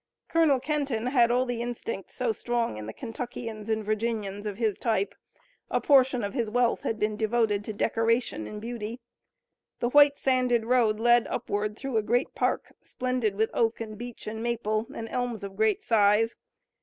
Colonel Kenton had all the instincts so strong in the Kentuckians and Virginians of his type. A portion of his wealth had been devoted to decoration and beauty. The white, sanded road led upward through a great park, splendid with oak and beech and maple, and elms of great size.